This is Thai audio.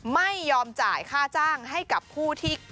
ไม่ยอมจ่ายค่าจ้างให้กับผู้ที่